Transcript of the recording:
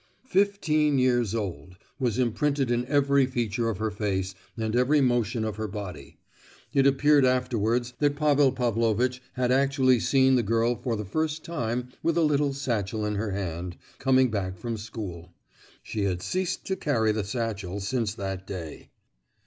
"Fifteen years old" was imprinted in every feature of her face and every motion of her body. It appeared afterwards that Pavel Pavlovitch had actually seen the girl for the first time with a little satchel in her hand, coming back from school. She had ceased to carry the satchel since that day.